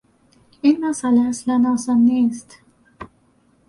این مسئله اصلا آسان نیست.